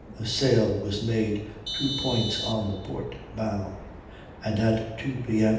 a sail was made two points on the port bow; and at 2 P.M.